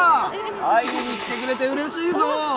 会いに来てくれてうれしいぞ。